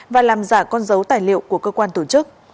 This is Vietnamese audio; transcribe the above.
và làm giả con dấu tài liệu của cơ quan tổ chức